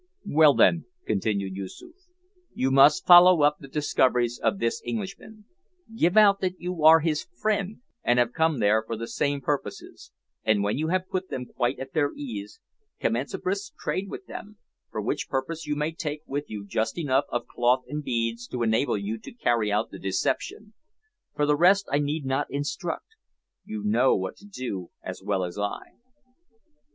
"Well, then," continued Yoosoof, "you must follow up the discoveries of this Englishman; give out that you are his friend, and have come there for the same purposes; and, when you have put them quite at their ease, commence a brisk trade with them for which purpose you may take with you just enough of cloth and beads to enable you to carry out the deception. For the rest I need not instruct; you know what to do as well as I."